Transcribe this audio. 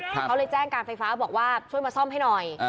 เขาเลยแจ้งการไฟฟ้าบอกว่าช่วยมาซ่อมให้หน่อย